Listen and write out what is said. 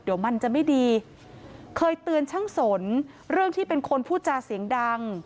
เดี๋ยวมันจะไม่ดีเคยเตือนช่างสนเรื่องที่เป็นคนพูดจาเสียงดัง